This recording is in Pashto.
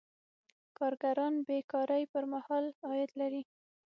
کارګران بې کارۍ پر مهال عاید لري.